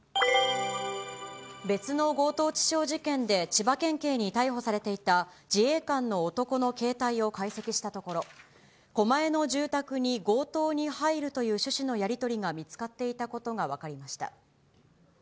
別の強盗致傷事件で千葉県警に逮捕されていた自衛官の男の携帯を解析したところ、狛江の住宅に強盗に入るという趣旨のやり取りが見つかっていたことが分かりました。